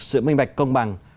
sự minh bạch công bằng